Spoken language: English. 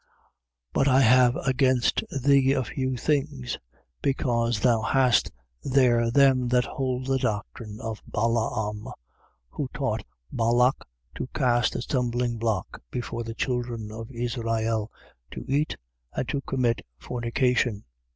2:14. But I have against thee a few things: because thou hast there them that hold the doctrine of Balaam who taught Balac to cast a stumblingblock before the children of Israel, to eat and to commit fornication.